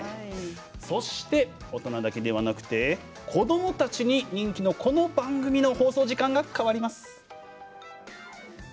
そして大人だけではなくて子どもたちに人気の、この番組の放送時間が変わります。